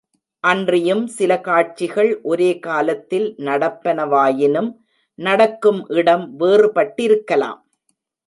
அன்றியும் சில காட்சிகள் ஒரே காலத்தில் நடப்பனவாயினும், நடக்கும் இடம் வேறுபட்டிருக்கலாம்.